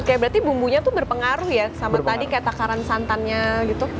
oke berarti bumbunya tuh berpengaruh ya sama tadi kayak takaran santannya gitu